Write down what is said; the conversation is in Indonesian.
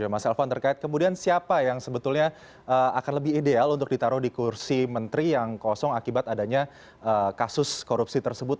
mas elvan terkait kemudian siapa yang sebetulnya akan lebih ideal untuk ditaruh di kursi menteri yang kosong akibat adanya kasus korupsi tersebut